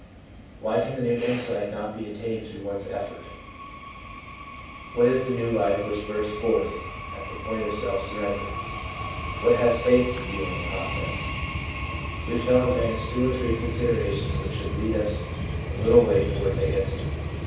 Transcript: Why can the new insight not be attained through one's effort? What is the new life which bursts forth at the point of self surrender? What has faith to do in the process ? We shall advance two or three considerations which should lead us a little way toward the answer.